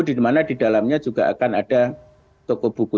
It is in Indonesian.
dimana di dalamnya juga akan ada toko buku